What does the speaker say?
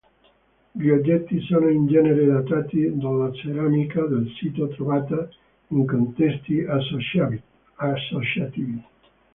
Gli oggetti sono in genere datati dalla ceramica del sito trovata in contesti associativi.